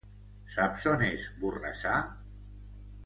Saps on és Borrassà?